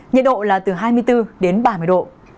nhiệt độ là từ hai mươi bốn đến ba mươi độ